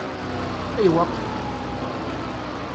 Ayweq?